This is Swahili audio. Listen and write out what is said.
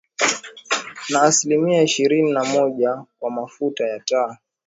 Na asilimia ishirini na moja kwa mafuta ya taa